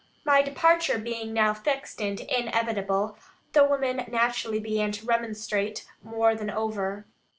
My departure being now fixed and inevitable, the women naturally began to remonstrate more than over.